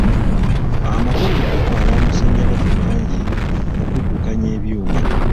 Amakolero gatwala amasanyalaze mangi mu kuddukanya ebyuma.